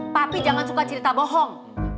tapi jangan suka cerita bohong